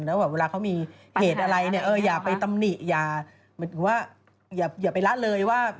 แล้วเวลาเขามีเหตุอะไรอย่าไปตำหนิอย่าไปละเลยว่า